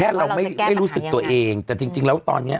แค่เราไม่รู้สึกตัวเองแต่จริงแล้วตอนนี้